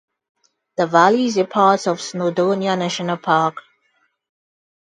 The valley is a part of Snowdonia National Park.